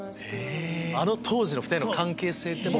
あの当時の２人の関係性でも。